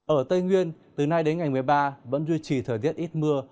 ở tây nguyên từ nay đến ngày một mươi ba vẫn duy trì thời tiết ít mưa